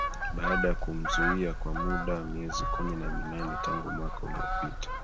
baada ya kumzuia kwa muda wa miezi kumi na minane tangu mwaka uliopita